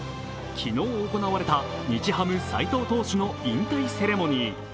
昨日行われた日ハム・斎藤投手の引退セレモニー。